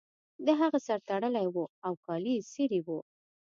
د هغه سر تړلی و او کالي یې څیرې وو